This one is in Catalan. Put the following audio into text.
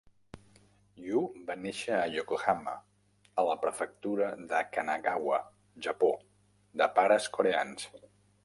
Yu va néixer a Yokohama, a la Prefectura de Kanagawa, Japó, de pares coreans.